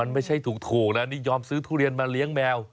ถูกจริงแต่ว่าแต่งกันกินก็แล้ว